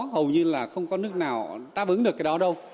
hầu như là không có nước nào đáp ứng được cái đó đâu